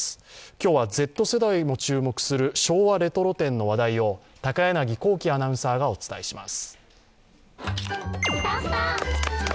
今日はＺ世代も注目する昭和レトロ展の話題を高柳光希アナウンサーがお伝えします。